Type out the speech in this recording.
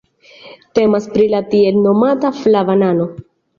Temas pri tiel nomata "flava nano".